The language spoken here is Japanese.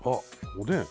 おでん？